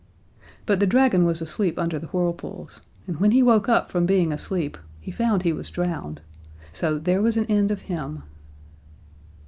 But the dragon was asleep under the whirlpools, and when he woke up from being asleep he found he was drowned, so there was an end of him.